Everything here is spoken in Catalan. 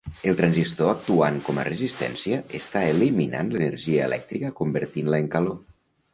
El transistor actuant com a resistència està eliminant l'energia elèctrica convertint-la en calor.